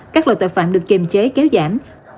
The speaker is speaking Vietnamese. các loại tội phạm được kiềm chế kéo giảm